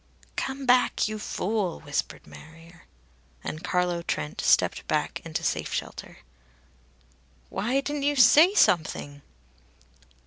"Cam back, you fool!" whispered Marrier. And Carlo Trent stepped back into safe shelter. "Why didn't you say something?"